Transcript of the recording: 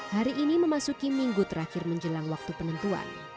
hari ini memasuki minggu terakhir menjelang waktu penentuan